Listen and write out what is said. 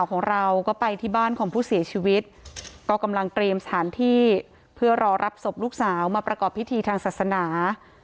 ของเราก็ไปที่บ้านของผู้เสียชีวิตก็กำลังเตรียมสถานที่เพื่อรอรับศพลูกสาวมาประกอบพิธีทางศาสนา